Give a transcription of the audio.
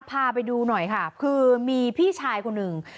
พาไปดูหน่อยค่ะคือมีพี่ชายคนหนึ่ง